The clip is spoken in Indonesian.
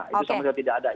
itu sama saja tidak ada